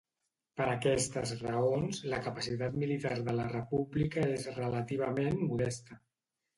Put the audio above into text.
Per aquestes raons, la capacitat militar de la república és relativament modesta.